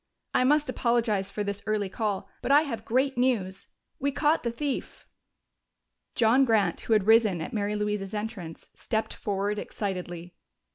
"I must apologize for this early call, but I have great news. We caught the thief!" John Grant, who had risen at Mary Louise's entrance, stepped forward excitedly.